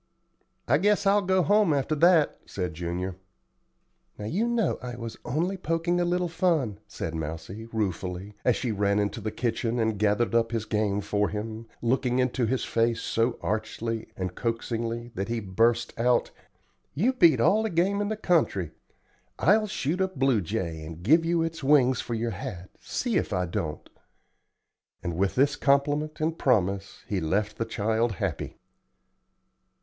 "I guess I'll go home after that," said Junior. "Now you know I was only poking a little fun," said Mousie, ruefully, as she ran into the kitchen and gathered up his game for him, looking into his face so archly and coaxingly that he burst out: "You beat all the game in the country. I'll shoot a blue jay, and give you its wings for your hat, see if I don't;" and with this compliment and promise he left the child happy.